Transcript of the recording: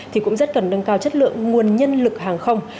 thì cũng rất cần nâng cao chất lượng nguồn nhân lực hàng không